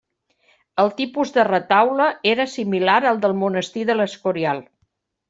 El tipus de retaule era similar al del Monestir de l'Escorial.